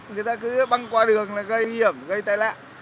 người ta cứ băng qua đường là gây nguy hiểm gây tai nạn